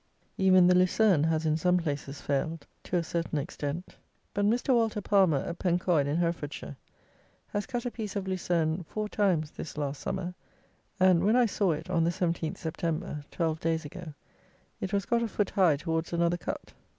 Even the Lucerne has, in some places, failed to a certain extent; but Mr. Walter Palmer, at Pencoyd, in Herefordshire, has cut a piece of Lucerne four times this last summer, and, when I saw it, on the 17th Sept. (12 days ago), it was got a foot high towards another cut.